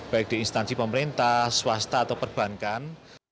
baik di instansi pemerintah swasta atau perbankan